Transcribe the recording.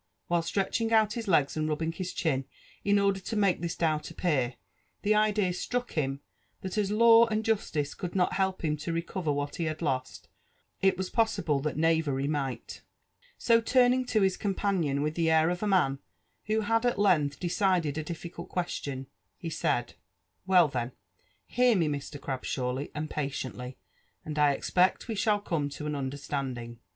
While stretching out his legs and rubbing his chin in order to make this doubt appear, the idea struck hiip, that as law and justice could not help him to recover what he had tost, it was possible that knavery might ; so turniqg to his companion ^h the air of a man who had at length decided a difficult question, he said, Well ihea, hear me, Mr. Grabshawly, and patiently, and I expect we shall come to an understanding.